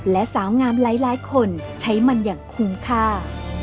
และสาวงามหลายคนใช้มันอย่างคุ้มค่า